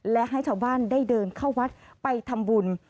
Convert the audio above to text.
และให้ชาวบ้านได้เดินเข้าวัดไปทำบุญ